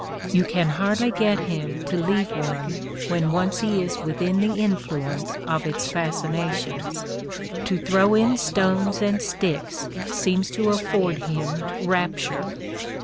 You can hardly get him to leave one when once he is within the influence of its fasci nations. To throw in stones and sticks seems to afford him rapture.